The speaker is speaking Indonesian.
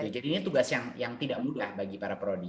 jadi ini tugas yang tidak mudah bagi para prodi